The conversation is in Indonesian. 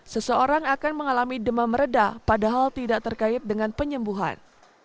seseorang akan mengalami demam reda padahal tidak terkait dengan penyembuhan